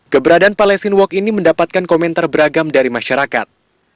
keberadaan palestine walk ini mendapatkan komentar beragam dari masyarakat